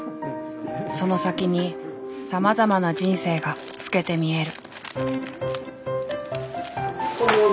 その先にさまざまな人生が透けて見える。